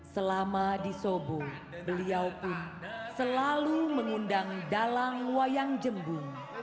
selama di sobo beliau pun selalu mengundang dalang wayang jembung